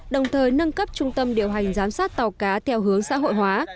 đồng thời nâng cấp trung tâm điều hành giám sát tàu cá theo hướng xã hội hóa